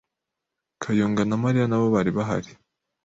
Kayonga na Mariya nabo bari bahari.